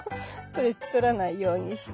取らないようにして。